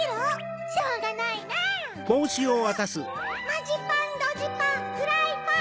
マジパンドジパンフライパン。